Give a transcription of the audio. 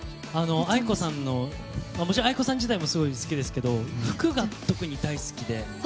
ａｉｋｏさん自体ももちろん好きですけど服が特に大好きで。